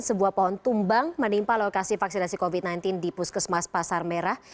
sebuah pohon tumbang menimpa lokasi vaksinasi covid sembilan belas di puskesmas pasar merah